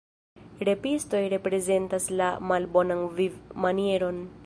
Repistoj reprezentas la malbonan vivmanieron.